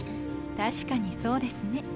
確かにそうですね。